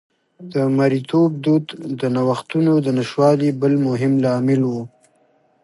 د مریتوب دود د نوښتونو د نشتوالي بل مهم لامل و